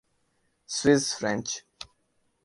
Swiss French